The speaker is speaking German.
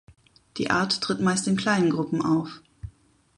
Die Art tritt meist in kleinen Gruppen auf.